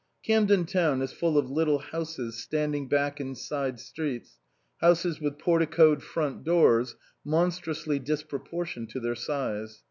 Camden Town is full of little houses standing back in side streets, houses with por ticoed front doors monstrously disproportioned to their size.